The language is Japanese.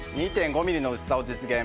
２．５ｍｍの薄さを実現。